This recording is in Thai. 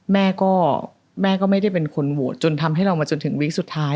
แม่ก็แม่ก็ไม่ได้เป็นคนโหวตจนทำให้เรามาจนถึงวีคสุดท้าย